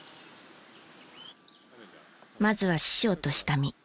まずは師匠と下見。